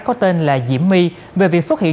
có tên là diễm my về việc xuất hiện